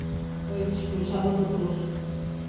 Foi expulsado do Tour.